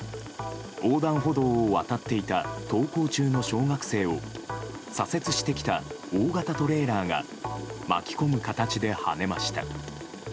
横断歩道を渡っていた登校中の小学生を左折してきた大型トレーラーが巻き込む形ではねました。